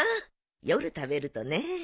夜食べるとねえ。